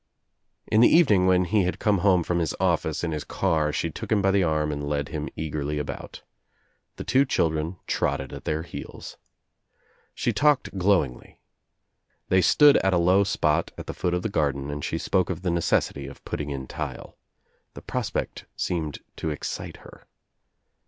In the evening when he had come home from his office in his car she took him by the arm and led him eagerly about. The two children trotted at their heels. She talked glow ingly. They stood at a low spot at the foot of the garden and she spoke of the necessity of putting in tile. The prospect seemed to excite her.